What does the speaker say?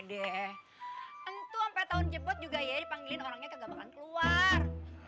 deh entuh sampai tahun jebot juga ya dipanggilin orangnya kegagalan keluar